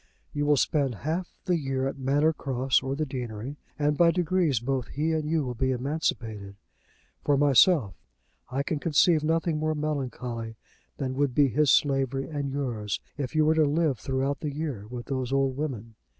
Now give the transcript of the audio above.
You will spend half the year at Manor Cross or the deanery, and by degrees both he and you will be emancipated. For myself, I can conceive nothing more melancholy than would be his slavery and yours if you were to live throughout the year with those old women."